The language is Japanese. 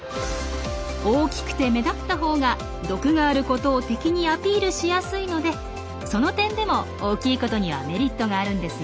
大きくて目立った方が毒があることを敵にアピールしやすいのでその点でも大きいことにはメリットがあるんですよ。